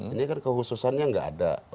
ini kan kehususannya nggak ada